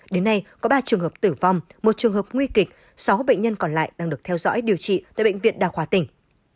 đến nay có ba trường hợp tử vong một trường hợp nguy kịch sáu bệnh nhân còn lại đang được theo dõi điều trị tại bệnh viện đa khoa tỉnh